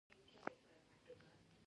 زه له امتحان څخه مخکي ښه تیاری نیسم.